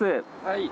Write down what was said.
はい。